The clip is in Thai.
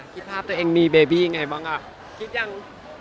คิดภาพตัวเองมีเบบี้ยังไงบ้างอ่ะคิดยัง